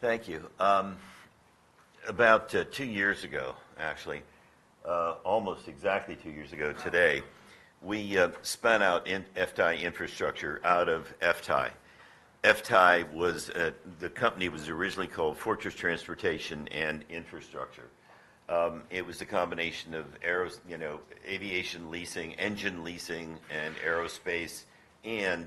Thank you. About two years ago, actually, almost exactly two years ago today, we spun out FTAI Infrastructure out of FTAI. FTAI was originally called Fortress Transportation and Infrastructure. It was a combination of Ares, you know, aviation leasing, engine leasing, and aerospace, and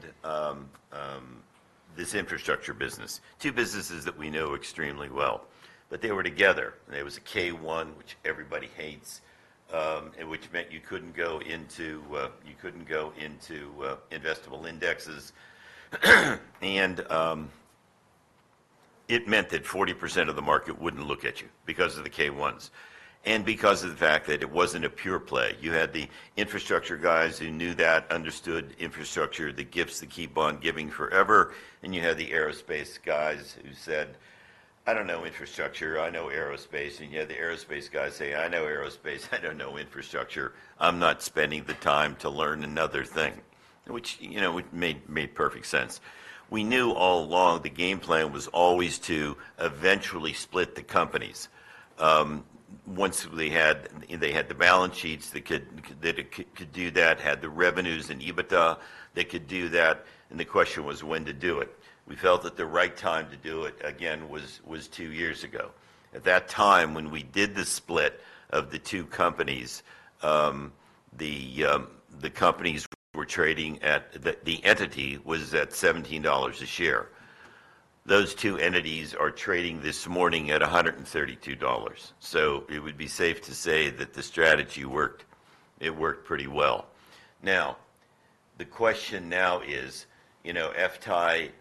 this infrastructure business. Two businesses that we know extremely well, but they were together, and it was a K-1, which everybody hates, and which meant you couldn't go into investable indexes. It meant that 40% of the market wouldn't look at you because of the K-1s and because of the fact that it wasn't a pure play. You had the infrastructure guys who knew that, understood infrastructure, the gifts that keep on giving forever, and you had the aerospace guys who said, "I don't know infrastructure, I know aerospace," and you had the aerospace guys say, "I know aerospace, I don't know infrastructure. I'm not spending the time to learn another thing," which, you know, it made perfect sense. We knew all along the game plan was always to eventually split the companies. Once they had the balance sheets, they could do that, had the revenues and EBITDA, they could do that, and the question was when to do it. We felt that the right time to do it, again, was two years ago. At that time, when we did the split of the two companies, the companies were trading at... The entity was at $17 a share. Those two entities are trading this morning at $132. So it would be safe to say that the strategy worked. It worked pretty well. Now, the question now is, you know, FTAI,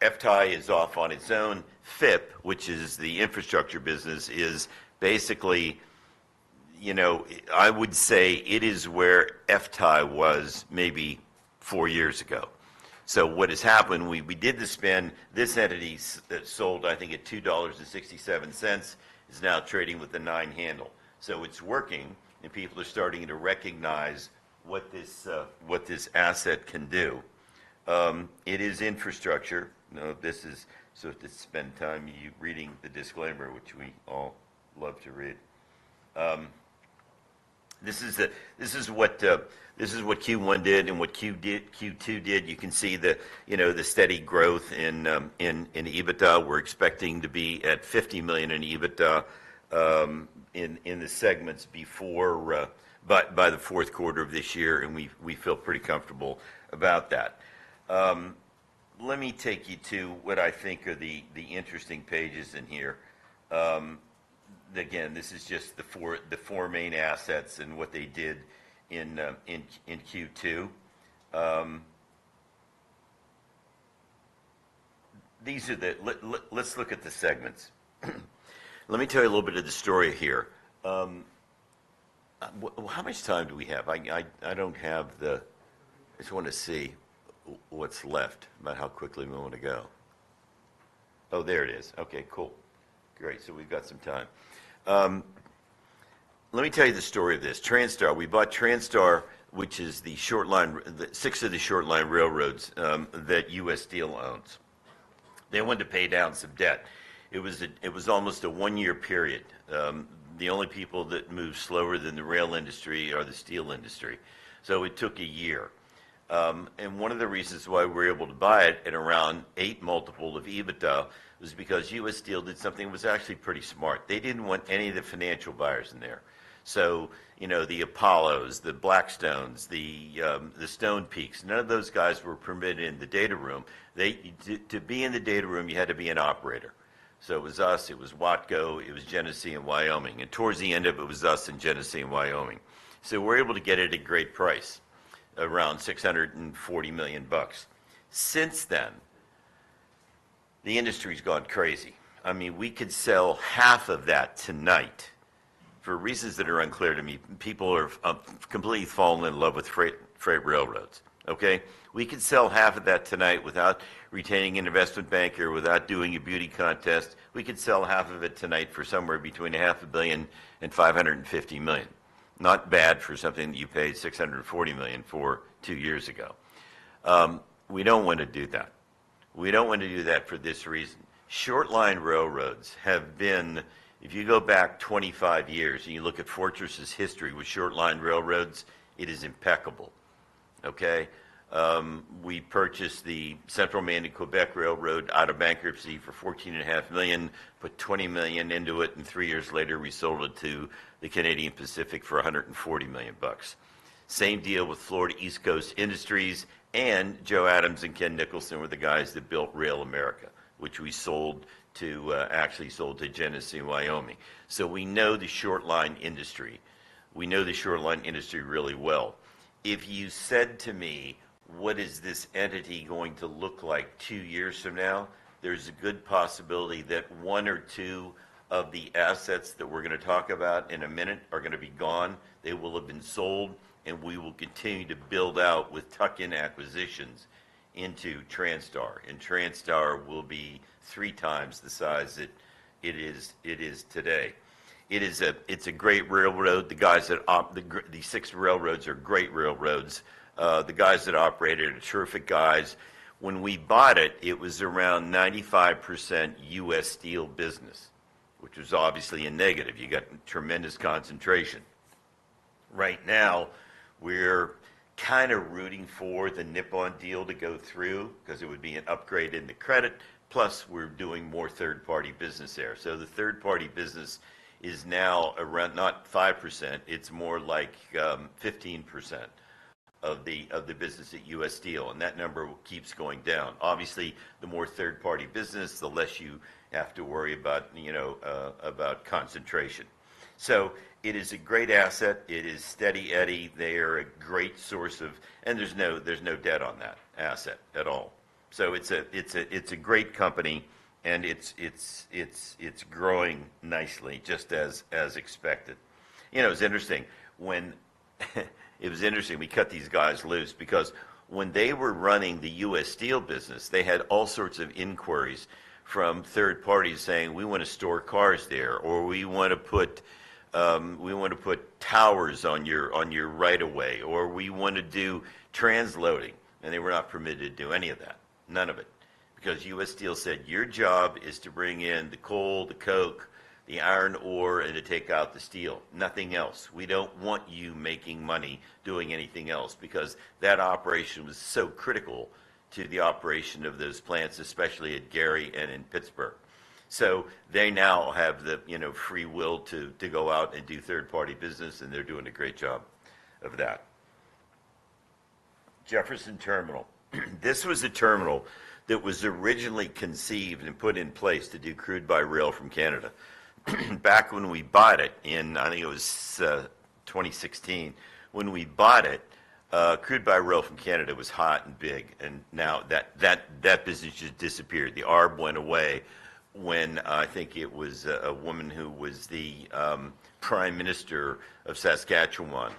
FTAI is off on its own. FIP, which is the infrastructure business, is basically, you know, I would say it is where FTAI was maybe four years ago. So what has happened, we did the spin, this entity that sold, I think, at $2.67, is now trading with a nine handle. So it's working, and people are starting to recognize what this, what this asset can do. It is infrastructure. No, this is. So to spend time you reading the disclaimer, which we all love to read. This is what Q1 did and what Q2 did, Q2 did. You can see the, you know, the steady growth in EBITDA. We're expecting to be at $50 million in EBITDA in the segments before by the fourth quarter of this year, and we feel pretty comfortable about that. Let me take you to what I think are the interesting pages in here. Again, this is just the four main assets and what they did in Q2. These are the... Let's look at the segments. Let me tell you a little bit of the story here. How much time do we have? I don't have the... I just wanna see what's left, about how quickly we want to go. Oh, there it is. Okay, cool. Great, so we've got some time. Let me tell you the story of this. Transtar. We bought Transtar, which is the short line, the six of the short line railroads, that U.S. Steel owns. They wanted to pay down some debt. It was almost a one-year period. The only people that move slower than the rail industry are the steel industry. So it took a year. And one of the reasons why we were able to buy it at around 8x of EBITDA was because U.S. Steel did something that was actually pretty smart. They didn't want any of the financial buyers in there. So, you know, the Apollos, the Blackstones, the Stonepeak, none of those guys were permitted in the data room. They, to be in the data room, you had to be an operator. So it was us, it was Watco, it was Genesee & Wyoming, and towards the end of it, it was us and Genesee & Wyoming. So we were able to get it at a great price, around $640 million. Since then, the industry's gone crazy. I mean, we could sell half of that tonight for reasons that are unclear to me. People are completely fallen in love with freight, freight railroads, okay? We could sell half of it tonight without retaining an investment banker, without doing a beauty contest. We could sell half of it tonight for somewhere between $500 million and $550 million. Not bad for something that you paid $640 million for two years ago. We don't want to do that. We don't want to do that for this reason: short line railroads have been... If you go back 25 years, and you look at Fortress's history with short line railroads, it is impeccable, okay? We purchased the Central Maine and Quebec Railroad out of bankruptcy for $14.5 million, put $20 million into it, and three years later, we sold it to the Canadian Pacific for $140 million. Same deal with Florida East Coast Industries, and Joe Adams and Ken Nicholson were the guys that built RailAmerica, which we sold to, actually sold to Genesee & Wyoming. So we know the short line industry. We know the short line industry really well. If you said to me, "What is this entity going to look like two years from now?" There's a good possibility that one or two of the assets that we're gonna talk about in a minute are gonna be gone. They will have been sold, and we will continue to build out with tuck-in acquisitions into Transtar, and Transtar will be three times the size that it is today. It is a great railroad. The six railroads are great railroads. The guys that operate it are terrific guys. When we bought it, it was around 95% U.S. Steel business, which is obviously a negative. You got tremendous concentration. Right now, we're kind of rooting for the Nippon Steel deal to go through because it would be an upgrade in the credit, plus we're doing more third-party business there. So the third-party business is now around, not 5%; it's more like 15% of the business at U.S. Steel, and that number keeps going down. Obviously, the more third-party business, the less you have to worry about, you know, about concentration. So it is a great asset. It is Steady Eddy. They are a great source of and there's no debt on that asset at all. So it's a great company, and it's growing nicely, just as expected. You know, it was interesting we cut these guys loose because when they were running the U.S. Steel business, they had all sorts of inquiries from third parties saying, "We want to store cars there," or, "We want to put towers on your right of way," or, "We want to do transloading." They were not permitted to do any of that, none of it, because U.S. Steel said, "Your job is to bring in the coal, the coke, the iron ore, and to take out the steel, nothing else. We don't want you making money doing anything else," because that operation was so critical to the operation of those plants, especially at Gary and in Pittsburgh. So they now have the, you know, free will to go out and do third-party business, and they're doing a great job of that. Jefferson Terminal. This was a terminal that was originally conceived and put in place to do crude by rail from Canada. Back when we bought it in, I think it was 2016, when we bought it, crude by rail from Canada was hot and big, and now that business just disappeared. The arb went away when, I think it was a woman who was the Prime Minister of Saskatchewan,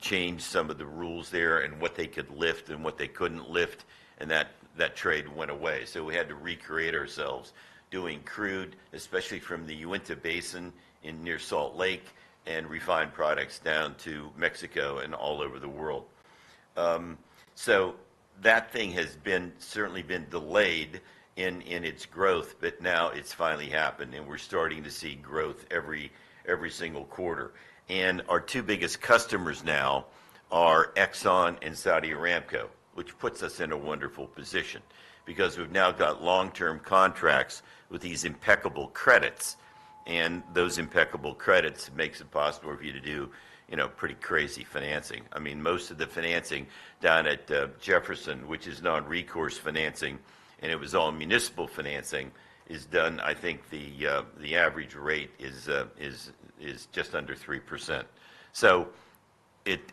changed some of the rules there and what they could lift and what they couldn't lift, and that trade went away. So we had to recreate ourselves doing crude, especially from the Uinta Basin near Salt Lake, and refined products down to Mexico and all over the world. So that thing has certainly been delayed in its growth, but now it's finally happened, and we're starting to see growth every single quarter. And our two biggest customers now are Exxon and Saudi Aramco, which puts us in a wonderful position because we've now got long-term contracts with these impeccable credits, and those impeccable credits makes it possible for you to do, you know, pretty crazy financing. I mean, most of the financing down at Jefferson, which is non-recourse financing, and it was all municipal financing, is done. I think the average rate is just under 3%.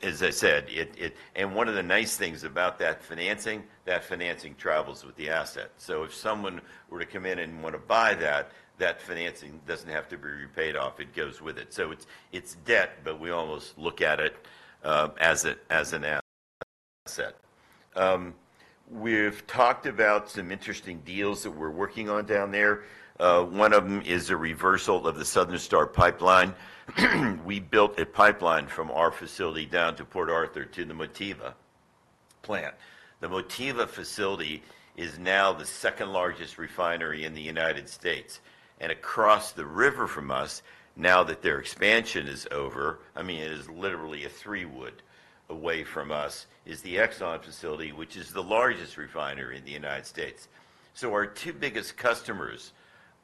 As I said, one of the nice things about that financing, that financing travels with the asset. If someone were to come in and want to buy that, that financing doesn't have to be paid off. It goes with it. It's debt, but we almost look at it as an asset. We've talked about some interesting deals that we're working on down there. One of them is a reversal of the Southern Star Pipeline. We built a pipeline from our facility down to Port Arthur to the Motiva plant. The Motiva facility is now the second-largest refinery in the United States, and across the river from us, now that their expansion is over, I mean, it is literally a three-wood away from us, is the Exxon facility, which is the largest refinery in the United States. So our two biggest customers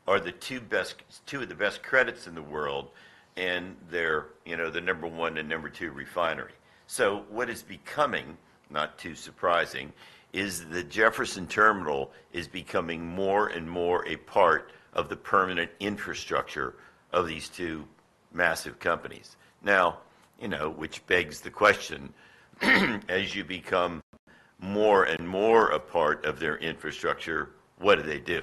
are the two best - two of the best credits in the world, and they're, you know, the number one and number two refinery. So what is becoming, not too surprising, is the Jefferson Terminal is becoming more and more a part of the permanent infrastructure of these two massive companies. Now, you know, which begs the question, as you become more and more a part of their infrastructure, what do they do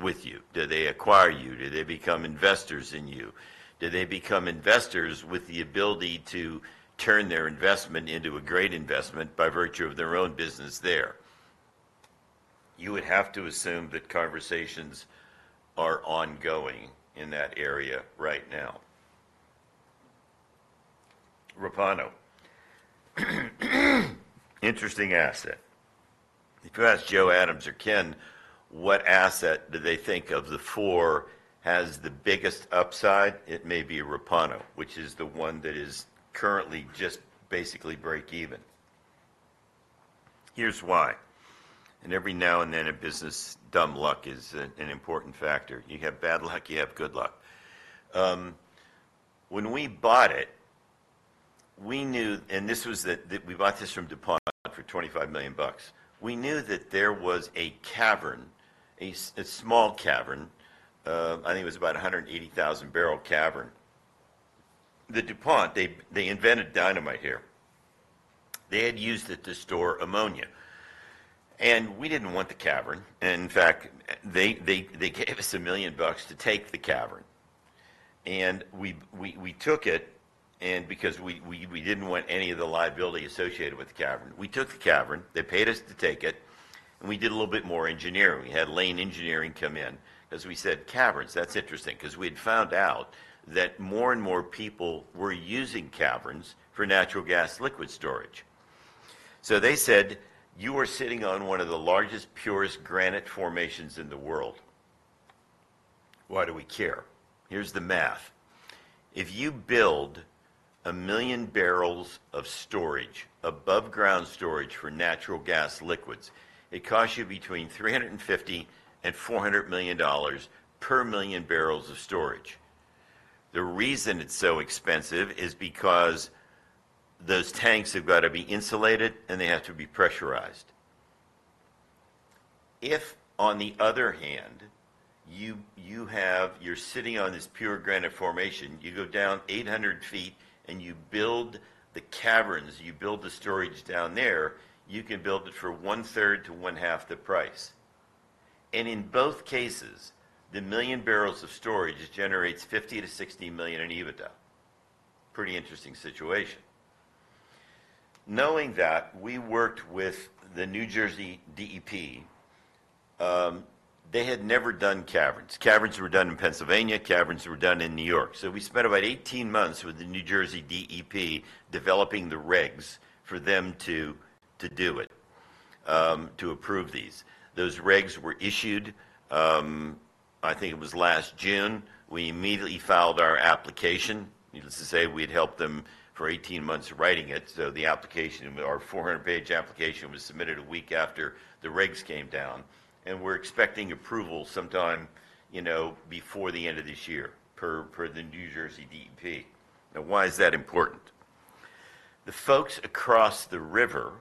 with you? Do they acquire you? Do they become investors in you? Do they become investors with the ability to turn their investment into a great investment by virtue of their own business there? You would have to assume that conversations are ongoing in that area right now. Repauno. Interesting asset. If you ask Joe Adams or Ken, what asset do they think of the four has the biggest upside, it may be Repauno, which is the one that is currently just basically break even. Here's why, and every now and then in business, dumb luck is an important factor. You have bad luck. You have good luck. When we bought it, we knew. And this was. We bought this from DuPont for $25 million. We knew that there was a cavern, a small cavern. I think it was about 180,000-bbl cavern. The DuPont, they invented dynamite here. They had used it to store ammonia, and we didn't want the cavern. In fact, they gave us $1 million to take the cavern, and we took it, and because we didn't want any of the liability associated with the cavern. We took the cavern. They paid us to take it, and we did a little bit more engineering. We had Lane Engineering come in as we said, "Caverns, that's interesting," 'cause we'd found out that more and more people were using caverns for natural gas liquid storage. So they said, "You are sitting on one of the largest, purest granite formations in the world." Why do we care? Here's the math: If you build 1 million barrels of storage, above-ground storage for natural gas liquids, it costs you between $350 million and $400 million per 1 million barrels of storage. The reason it's so expensive is because those tanks have got to be insulated, and they have to be pressurized. If, on the other hand, you're sitting on this pure granite formation, you go down 800 ft and you build the caverns, you build the storage down there, you can build it for one third to one half the price. And in both cases, the million barrels of storage generates $50 million-$60 million in EBITDA. Pretty interesting situation. Knowing that, we worked with the New Jersey DEP. They had never done caverns. Caverns were done in Pennsylvania, caverns were done in New York. So we spent about 18 months with the New Jersey DEP developing the regs for them to do it to approve these. Those regs were issued, I think it was last June. We immediately filed our application. Needless to say, we'd helped them for 18 months writing it, so the application, our 400-page application, was submitted a week after the regs came down, and we're expecting approval sometime, you know, before the end of this year per the New Jersey DEP. Now, why is that important? The folks across the river,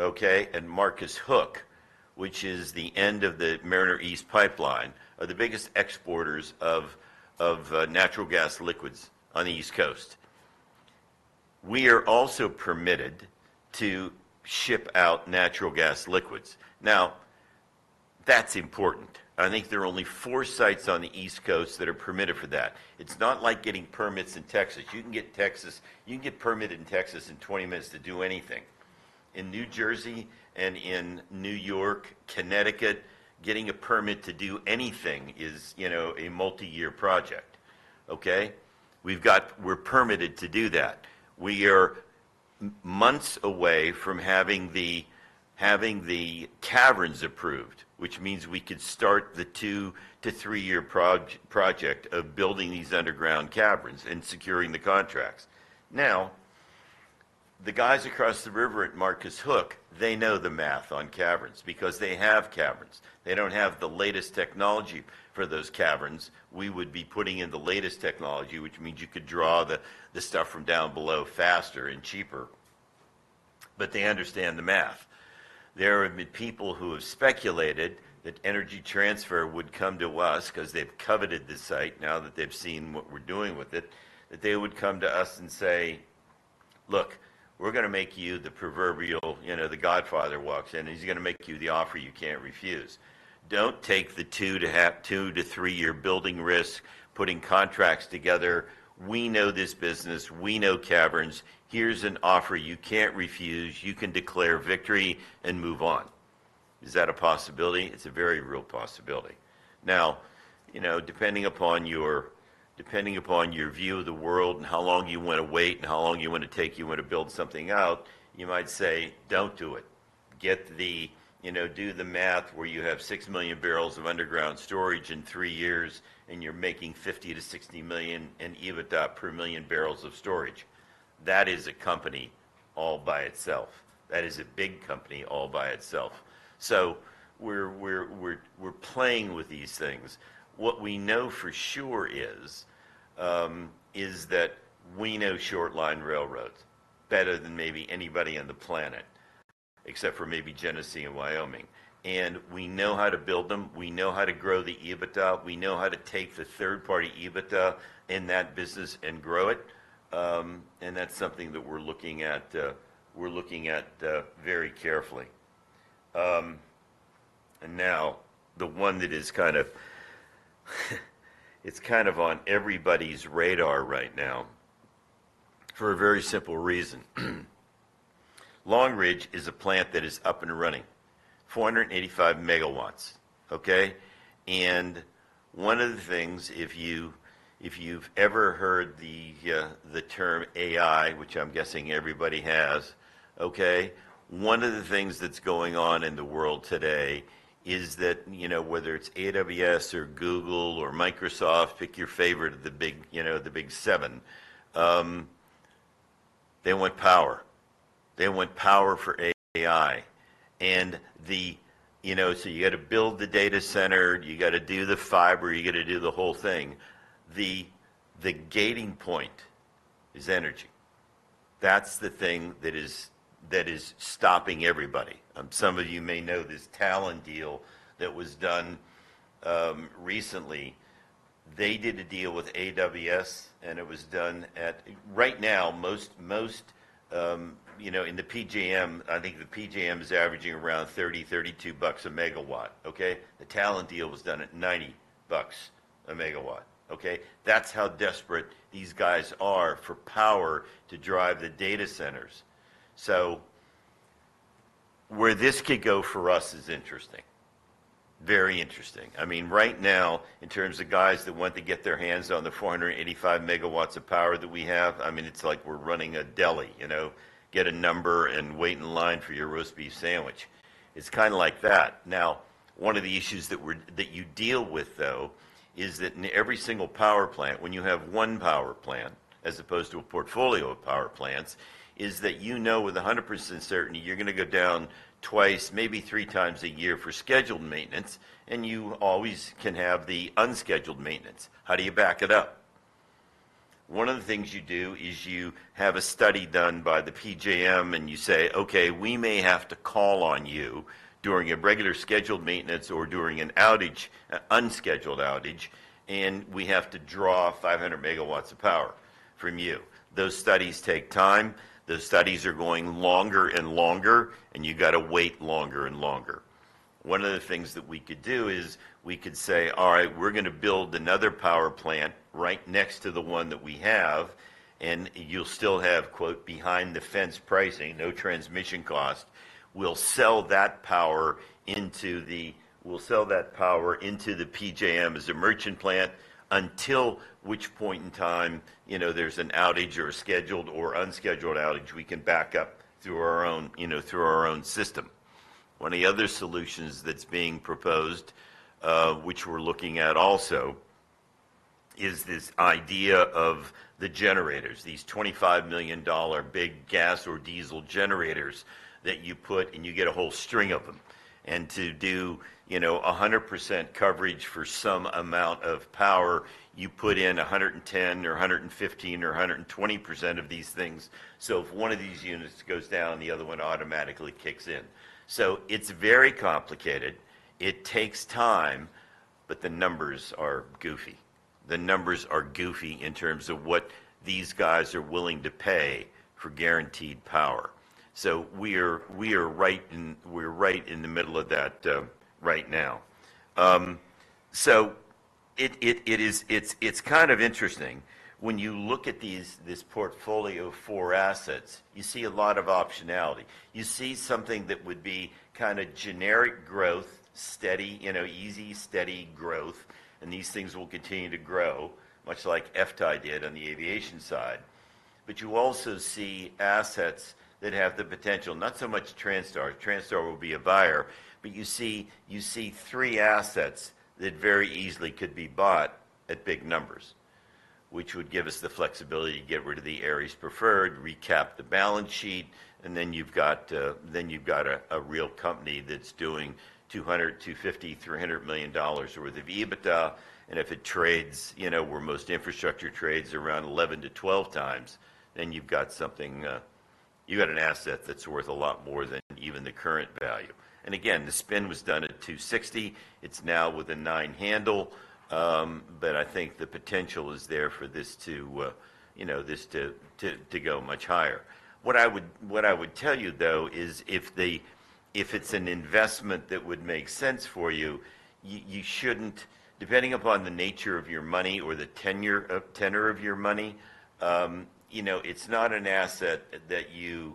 okay, at Marcus Hook, which is the end of the Mariner East Pipeline, are the biggest exporters of, of, natural gas liquids on the East Coast. We are also permitted to ship out natural gas liquids. Now, that's important. I think there are only four sites on the East Coast that are permitted for that. It's not like getting permits in Texas. You can get permitted in Texas in 20 minutes to do anything. In New Jersey and in New York, Connecticut, getting a permit to do anything is, you know, a multi-year project, okay? We've got-- We're permitted to do that. We are months away from having the caverns approved, which means we could start the two- to three-year project of building these underground caverns and securing the contracts. Now, the guys across the river at Marcus Hook, they know the math on caverns because they have caverns. They don't have the latest technology for those caverns. We would be putting in the latest technology, which means you could draw the stuff from down below faster and cheaper. But they understand the math. There have been people who have speculated that Energy Transfer would come to us because they've coveted this site now that they've seen what we're doing with it, that they would come to us and say, "Look, we're gonna make you the proverbial..." You know, the godfather walks in, and he's gonna make you the offer you can't refuse. "Don't take the two to half-- two- to three-year building risk, putting contracts together. We know this business. We know caverns. Here's an offer you can't refuse. You can declare victory and move on." Is that a possibility? It's a very real possibility. Now, you know, depending upon your, depending upon your view of the world and how long you want to wait and how long you want to take, you want to build something out, you might say, "Don't do it." Get the... You know, do the math where you have 6 million bbl of underground storage in three years, and you're making $50 million-$60 million in EBITDA per million barrels of storage. That is a company all by itself. That is a big company all by itself. So we're playing with these things. What we know for sure is, is that we know short line railroads better than maybe anybody on the planet, except for maybe Genesee & Wyoming. And we know how to build them. We know how to grow the EBITDA. We know how to take the third-party EBITDA in that business and grow it, and that's something that we're looking at, we're looking at very carefully. And now the one that is kind of, it's kind of on everybody's radar right now for a very simple reason. Long Ridge is a plant that is up and running, 485 MW, okay? One of the things, if you've ever heard the term AI, which I'm guessing everybody has, okay, one of the things that's going on in the world today is that, you know, whether it's AWS or Google or Microsoft, pick your favorite of the big, you know, the Big Seven, they want power. They want power for AI. You know, so you got to build the data center, you got to do the fiber, you got to do the whole thing. The gating point is energy. That's the thing that is stopping everybody. Some of you may know this Talen deal that was done recently. They did a deal with AWS, and it was done at-- Right now, most, you know, in the PJM, I think the PJM is averaging around $30-$32 a megawatt, okay? The Talen deal was done at $90 a megawatt, okay? That's how desperate these guys are for power to drive the data centers. So where this could go for us is interesting.... Very interesting. I mean, right now, in terms of guys that want to get their hands on the 485 MW of power that we have, I mean, it's like we're running a deli. You know, get a number and wait in line for your roast beef sandwich. It's kinda like that. Now, one of the issues that you deal with, though, is that in every single power plant, when you have one power plant, as opposed to a portfolio of power plants, is that you know with 100% certainty you're gonna go down twice, maybe three times a year for scheduled maintenance, and you always can have the unscheduled maintenance. How do you back it up? One of the things you do is you have a study done by the PJM, and you say, "Okay, we may have to call on you during a regular scheduled maintenance or during an outage, unscheduled outage, and we have to draw 500 MW of power from you." Those studies take time. Those studies are going longer and longer, and you gotta wait longer and longer. One of the things that we could do is we could say, "All right, we're gonna build another power plant right next to the one that we have," and you'll still have, quote, behind-the-fence pricing, no transmission cost. We'll sell that power into the PJM as a merchant plant, until which point in time, you know, there's an outage or a scheduled or unscheduled outage, we can back up through our own, you know, through our own system. One of the other solutions that's being proposed, which we're looking at also, is this idea of the generators, these $25 million big gas or diesel generators that you put, and you get a whole string of them. And to do, you know, 100% coverage for some amount of power, you put in 110% or 115% or 120% of these things. So if one of these units goes down, the other one automatically kicks in. So it's very complicated. It takes time, but the numbers are goofy. The numbers are goofy in terms of what these guys are willing to pay for guaranteed power. So we're right in the middle of that right now. So it is kind of interesting. When you look at this portfolio of four assets, you see a lot of optionality. You see something that would be kinda generic growth, steady, you know, easy, steady growth, and these things will continue to grow, much like FTAI did on the aviation side. But you also see assets that have the potential, not so much Transtar. Transtar will be a buyer, but you see, you see three assets that very easily could be bought at big numbers, which would give us the flexibility to get rid of the Ares preferred, recap the balance sheet, and then you've got a real company that's doing $200 million-$300 million worth of EBITDA. And if it trades, you know, where most infrastructure trades around 11x-12x, then you've got something. You've got an asset that's worth a lot more than even the current value. And again, the spin was done at $260 million. It's now with a nine handle, but I think the potential is there for this to, you know, this to go much higher. What I would tell you, though, is if it's an investment that would make sense for you, you shouldn't... Depending upon the nature of your money or the tenor of your money, you know, it's not an asset that you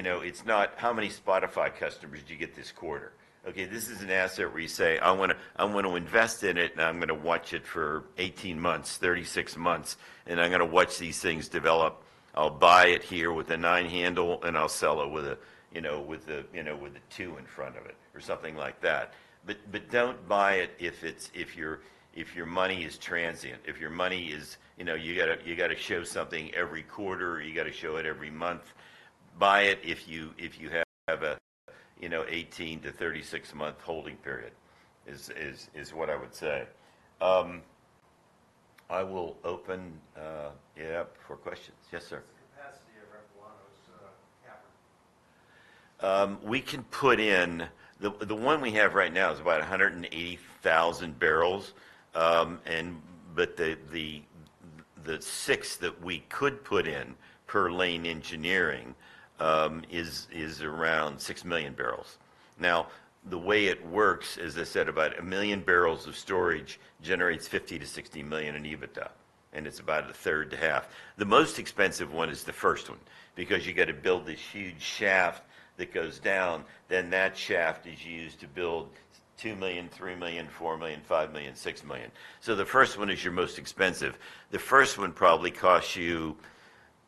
know, it's not, "How many Spotify customers did you get this quarter?" Okay, this is an asset where you say, "I want to invest in it, and I'm gonna watch it for 18 months, 36 months, and I'm gonna watch these things develop. I'll buy it here with a nine handle, and I'll sell it with a two in front of it," or something like that. But don't buy it if your money is transient, if your money is...You know, you gotta show something every quarter, or you gotta show it every month. Buy it if you have a, you know, 18 month- to 36-month holding period, is what I would say. I will open it up for questions. Yes, sir? What's the capacity of Repauno's cavern? We can put in. The one we have right now is about 180,000 bbl, but the sixth that we could put in per Lane Engineering is around 6 million bbl. Now, the way it works, as I said, about 1 million bbl of storage generates $50 million-$60 million in EBITDA, and it's about a third to half. The most expensive one is the first one because you gotta build this huge shaft that goes down. Then that shaft is used to build 2 million, 3 million, 4 million, 5 million, 6 million. So the first one is your most expensive. The first one probably costs you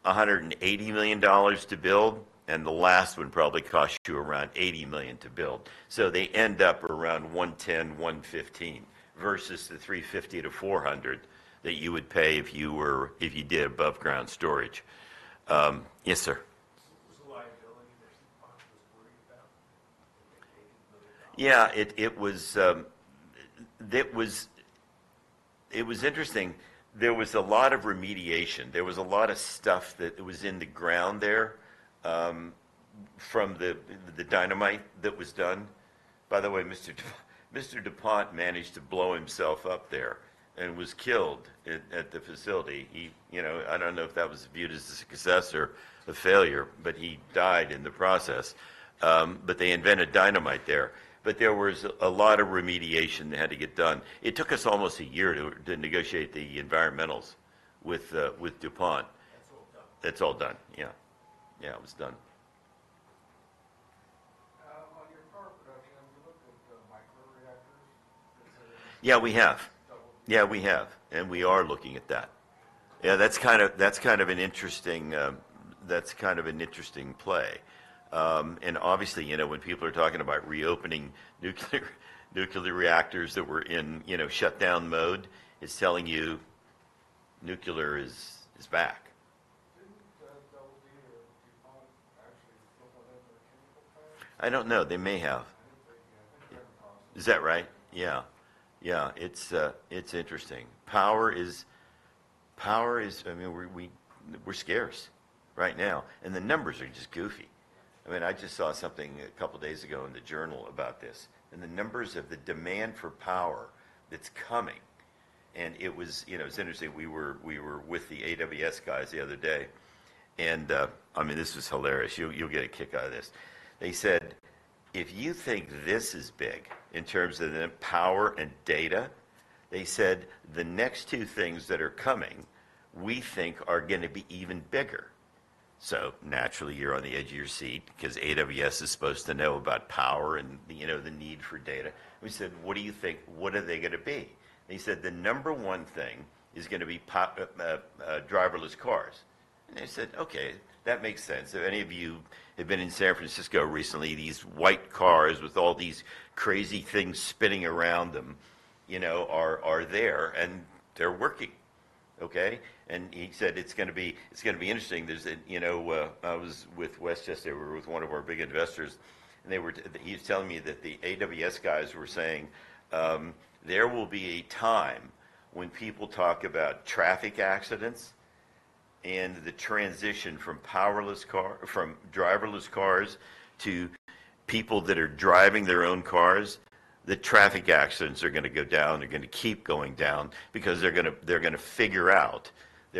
$180 million to build, and the last one probably costs you around $80 million to build. So they end up around $110, $115, versus the $350-$400 that you would pay if you were, if you did above-ground storage. Yes, sir? Was the liability that DuPont was worried about, like $80 million? Yeah, it was interesting. There was a lot of remediation. There was a lot of stuff that was in the ground there, from the dynamite that was done. By the way, Mr. du Pont managed to blow himself up there and was killed at the facility. He, you know, I don't know if that was viewed as a success or a failure, but he died in the process. But they invented dynamite there. But there was a lot of remediation that had to get done. It took us almost a year to negotiate the environmentals with DuPont. It's all done. Yeah. Yeah, it was done. On your car production, have you looked at the microreactors? Yeah, we have. Dabble. Yeah, we have, and we are looking at that. Yeah, that's kind of an interesting play. And obviously, you know, when people are talking about reopening nuclear reactors that were in, you know, shutdown mode, it's telling you nuclear is back. Didn't the Dow or Japan actually still go ahead with the chemical plant? I don't know. They may have. I think they- Is that right? Yeah. Yeah, it's interesting. Power is scarce right now, and the numbers are just goofy. I mean, I just saw something a couple of days ago in the Journal about this, and the numbers of the demand for power that's coming. And it was, you know, it's interesting. We were with the AWS guys the other day, and I mean, this was hilarious. You'll get a kick out of this. They said, "If you think this is big in terms of the power and data." They said, "The next two things that are coming, we think are gonna be even bigger." So naturally, you're on the edge of your seat because AWS is supposed to know about power and, you know, the need for data. We said: "What do you think? What are they gonna be?" They said, "The number one thing is gonna be driverless cars." I said, "Okay, that makes sense." If any of you have been in San Francisco recently, these white cars with all these crazy things spinning around them, you know, are there, and they're working, okay? He said it's gonna be interesting. There's a, you know, I was with Westchester. We were with one of our big investors, and he was telling me that the AWS guys were saying there will be a time when people talk about traffic accidents and the transition from driverless cars to people that are driving their own cars. The traffic accidents are gonna go down. They're gonna keep going down because they're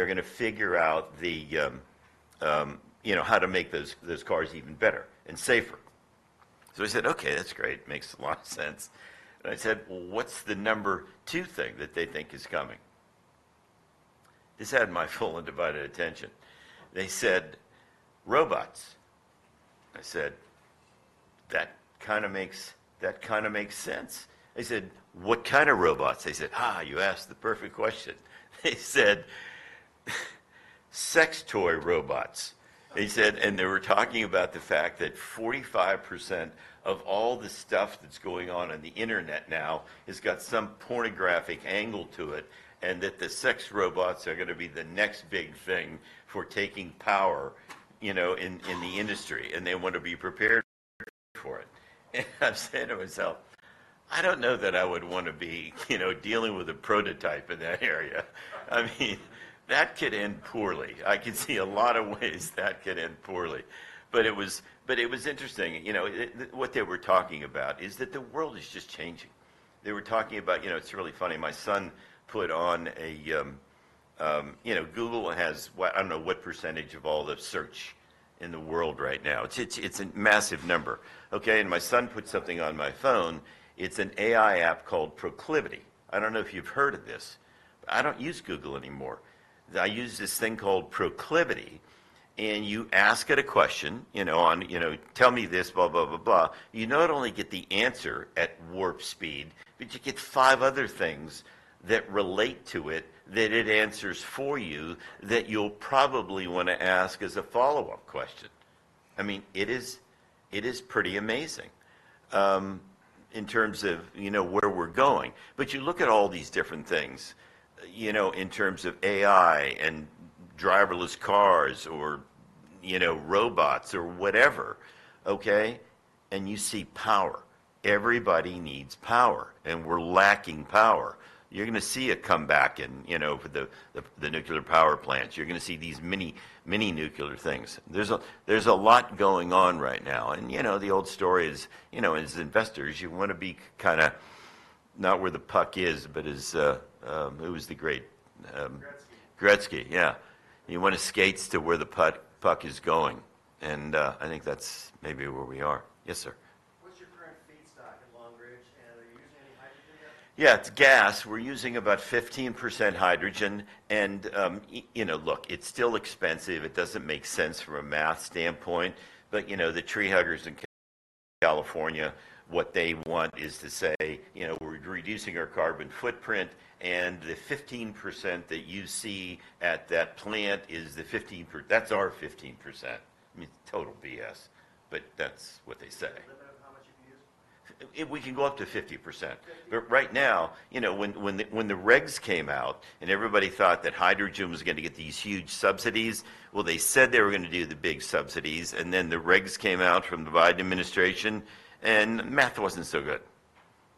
gonna figure out you know how to make those cars even better and safer. So I said, "Okay, that's great. Makes a lot of sense." And I said, "What's the number two thing that they think is coming?" This had my full and undivided attention. They said, "Robots." I said, "That kinda makes sense." I said, "What kind of robots?" They said, "Ah, you asked the perfect question." They said, "Sex toy robots," and they were talking about the fact that 45% of all the stuff that's going on in the internet now has got some pornographic angle to it, and that the sex robots are gonna be the next big thing for taking power, you know, in the industry, and they want to be prepared for it, and I said to myself, "I don't know that I would wanna be, you know, dealing with a prototype in that area." I mean, that could end poorly. I could see a lot of ways that could end poorly, but it was interesting. You know, what they were talking about is that the world is just changing. They were talking about... You know, it's really funny. My son put on a, you know, Google has what, I don't know what percentage of all the search in the world right now. It's, it's, it's a massive number, okay? And my son put something on my phone. It's an AI app called Perplexity. I don't know if you've heard of this. I don't use Google anymore. I use this thing called Perplexity, and you ask it a question, you know, on, you know, "Tell me this," blah, blah, blah, blah. You not only get the answer at warp speed, but you get five other things that relate to it, that it answers for you, that you'll probably wanna ask as a follow-up question. I mean, it is pretty amazing in terms of, you know, where we're going. But you look at all these different things, you know, in terms of AI and driverless cars or, you know, robots or whatever, okay? You see power. Everybody needs power, and we're lacking power. You're gonna see a comeback in, you know, the nuclear power plants. You're gonna see these mini nuclear things. There's a lot going on right now, and you know, the old story is, you know, as investors, you wanna be kinda not where the puck is, but as, who was the great, Gretzky. Gretzky, yeah. You wanna skate to where the puck is going, and, I think that's maybe where we are. Yes, sir. What's your current feedstock at Long Ridge, and are you using any hydrogen yet? Yeah, it's gas. We're using about 15% hydrogen, and you know, look, it's still expensive. It doesn't make sense from a math standpoint, but you know, the tree huggers in California, what they want is to say, you know, we're reducing our carbon footprint, and the 15% that you see at that plant is the 15%. That's our 15%. I mean, total BS, but that's what they say. Is that how much you can use? We can go up to 50%. 50% But right now, you know, when the regs came out and everybody thought that hydrogen was gonna get these huge subsidies, well, they said they were gonna do the big subsidies, and then the regs came out from the Biden administration, and math wasn't so good.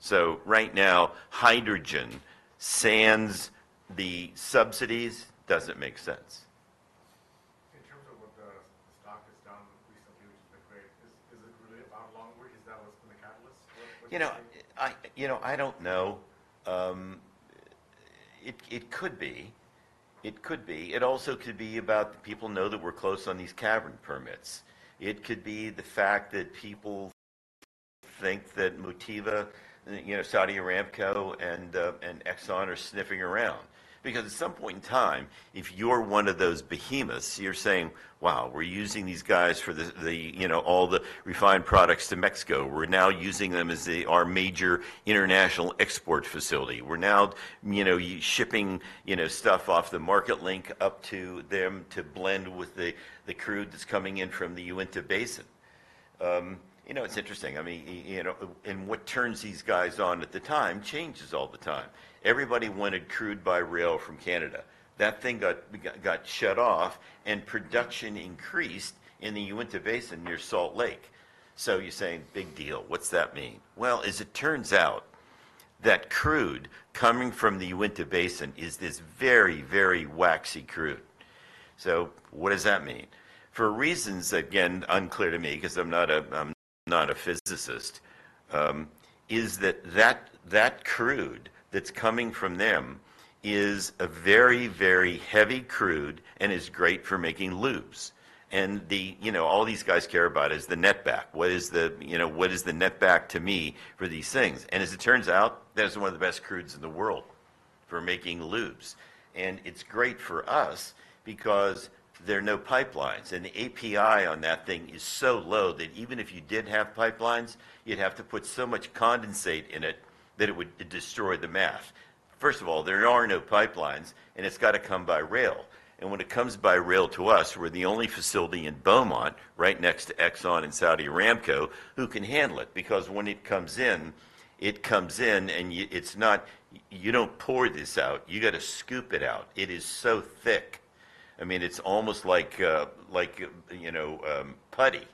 So right now, hydrogen, sans the subsidies, doesn't make sense. In terms of what the stock has done recently, which is great, is it really about Long Ridge? Is that what's been the catalyst for- You know, I don't know. It could be. It could be. It also could be about the people know that we're close on these cavern permits. It could be the fact that people think that Motiva, you know, Saudi Aramco, and Exxon are sniffing around. Because at some point in time, if you're one of those behemoths, you're saying: "Wow, we're using these guys for the, you know, all the refined products to Mexico. We're now using them as our major international export facility. We're now, you know, shipping, you know, stuff off the Marketlink up to them to blend with the crude that's coming in from the Uinta Basin." You know, it's interesting. I mean, you know, and what turns these guys on at the time changes all the time. Everybody wanted crude by rail from Canada. That thing got shut off, and production increased in the Uinta Basin near Salt Lake. So you're saying, "Big deal. What's that mean?" Well, as it turns out, that crude coming from the Uinta Basin is this very, very waxy crude. So what does that mean? For reasons, again, unclear to me, 'cause I'm not a physicist, that crude that's coming from them is a very, very heavy crude and is great for making lubes. And the... You know, all these guys care about is the netback. What is the, you know, what is the netback to me for these things? And as it turns out, that is one of the best crudes in the world for making lubes, and it's great for us because there are no pipelines. And the API on that thing is so low that even if you did have pipelines, you'd have to put so much condensate in it that it would destroy the math. First of all, there are no pipelines, and it's gotta come by rail. And when it comes by rail to us, we're the only facility in Beaumont, right next to Exxon and Saudi Aramco, who can handle it. Because when it comes in, it comes in, and it's not. You don't pour this out. You gotta scoop it out. It is so thick. I mean, it's almost like, like, you know, putty.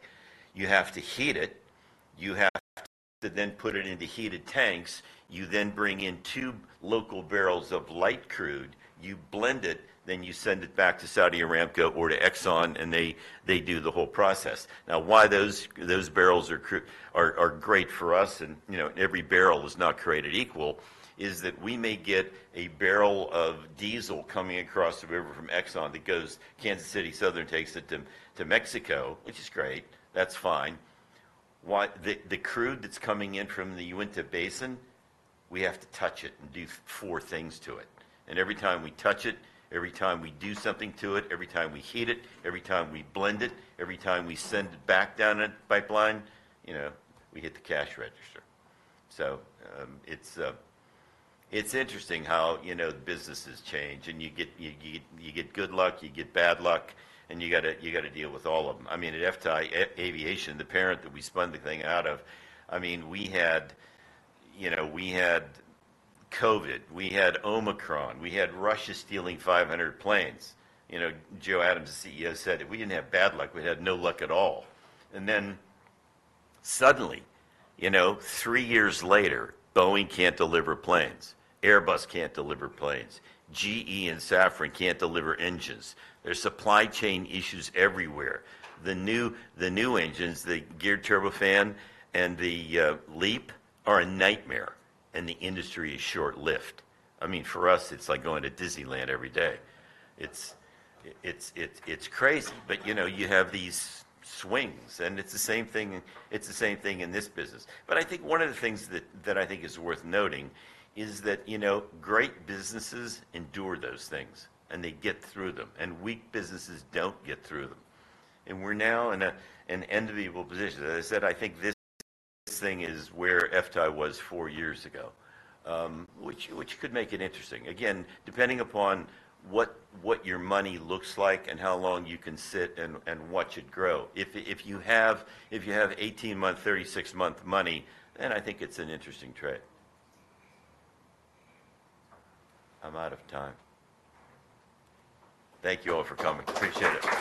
You have to heat it. You have to then put it into heated tanks. You then bring in two local barrels of light crude. You blend it, then you send it back to Saudi Aramco or to Exxon, and they do the whole process. Now, why those barrels are great for us, and, you know, every barrel was not created equal, is that we may get a barrel of diesel coming across the river from Exxon that goes... Kansas City Southern takes it to Mexico, which is great. That's fine. Why the crude that's coming in from the Uinta Basin, we have to touch it and do four things to it. Every time we touch it, every time we do something to it, every time we heat it, every time we blend it, every time we send it back down the pipeline, you know, we hit the cash register. It's interesting how, you know, businesses change, and you get good luck, you get bad luck, and you gotta deal with all of them. I mean, at FTAI Aviation, the parent that we spun the thing out of, I mean, we had COVID, we had Omicron, we had Russia stealing 500 planes. You know, Joe Adams, the CEO, said that "We didn't have bad luck. We had no luck at all." Then suddenly, you know, three years later, Boeing can't deliver planes, Airbus can't deliver planes, GE and Safran can't deliver engines. There's supply chain issues everywhere. The new engines, the Geared Turbofan and the LEAP, are a nightmare, and the industry is short-lived. I mean, for us, it's like going to Disneyland every day. It's crazy. But, you know, you have these swings, and it's the same thing, it's the same thing in this business. But I think one of the things that I think is worth noting is that, you know, great businesses endure those things, and they get through them, and weak businesses don't get through them. And we're now in an enviable position. As I said, I think this thing is where FTAI was four years ago, which could make it interesting. Again, depending upon what your money looks like and how long you can sit and watch it grow. If you have 18-month, 36-month money, then I think it's an interesting trade. I'm out of time. Thank you all for coming. Appreciate it.